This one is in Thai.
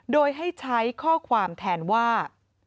โดยให้ใช้ข้อความแทนว่า